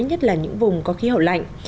nhất là những vùng có khí hậu lạnh